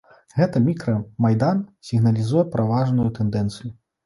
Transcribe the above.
Гэты мікра-майдан сігналізуе пра важную тэндэнцыю.